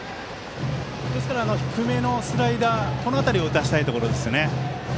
低めのスライダーこの辺りを打たせたいところです。